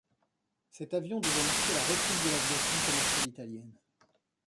Cet avion devait marquer la reprise de l'aviation commerciale italienne.